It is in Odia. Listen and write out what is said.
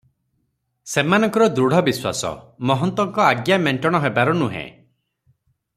ସେମାନଙ୍କର ଦୃଢ ବିଶ୍ୱାସ, ମହନ୍ତଙ୍କ ଆଜ୍ଞା ମେଣ୍ଟଣ ହେବାର ନୁହେଁ ।